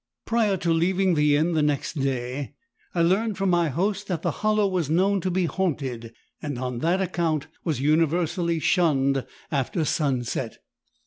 "Prior to leaving the inn next day I learned from my host that the hollow was known to be haunted, and, on that account, was universally shunned after sunset.